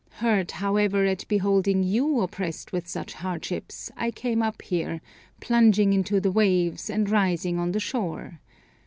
Hurt, however, at beholding you oppressed with such hardships I came up here, plunging into the waves, and rising on the shore.